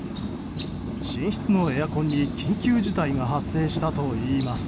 寝室のエアコンに緊急事態が発生したといいます。